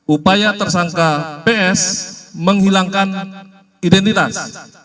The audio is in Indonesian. upaya tersangka ps menghilangkan identitas